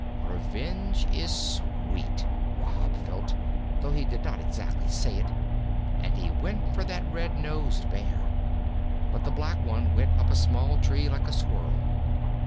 Revenge is sweet, Wahb felt, though he did not exactly say it, and he went for that red nosed Bear. But the Black one went up a small tree like a Squirrel.